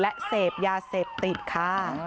และเสพยาเสพติดค่ะ